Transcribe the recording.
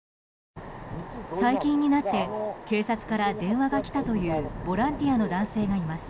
最近になって警察から電話が来たというボランティアの男性がいます。